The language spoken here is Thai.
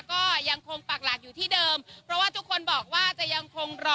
ก็ยังคงปักหลักอยู่ที่เดิมเพราะว่าทุกคนบอกว่าจะยังคงรอ